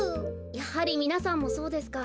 やはりみなさんもそうですか。